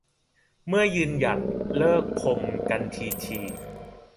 เมื่อยืนหยัดเลิกพรมกันถี่ถี่